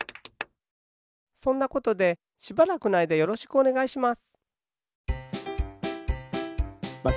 そんなことでしばらくのあいだよろしくおねがいします。